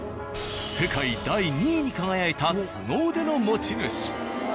世界第２位に輝いたすご腕の持ち主。